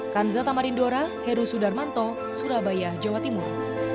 kan zatamarindora heru sudarmanto surabaya jawa timur